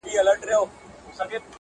وخته راسه مرور ستوري پخلا کړو,